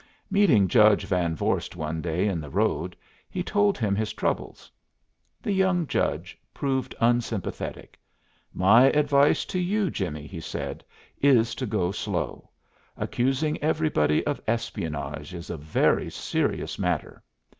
Meeting Judge Van Vorst one day in the road he told him his troubles. The young judge proved unsympathetic. "My advice to you, Jimmie," he said, "is to go slow. Accusing everybody of espionage is a very serious matter.